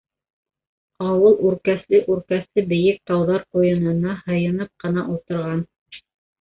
Ауыл үркәсле-үркәсле бейек тауҙар ҡуйынына һыйынып ҡына ултырған.